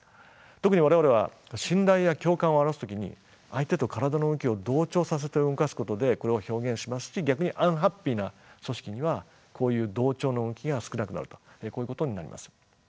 特に我々は信頼や共感を表す時に相手と体の動きを同調させて動かすことでこれを表現しますし逆にアンハッピーな組織にはこういう同調の動きが少なくなるとこういうことになります。